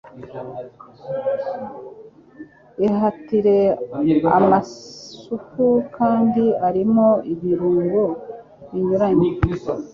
Ihatire amasupu kandi arimo ibirungo binyuranye